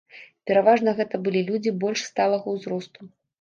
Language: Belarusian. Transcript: Пераважна гэта былі людзі больш сталага ўзросту.